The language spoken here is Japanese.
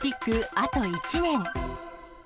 あと１年。